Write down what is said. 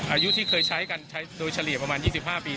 อายุที่เคยใช้กันใช้โดยเฉลี่ยประมาณ๒๕ปี